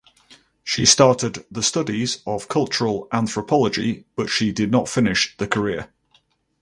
She started the studies of cultural anthropology but she did not finish the career.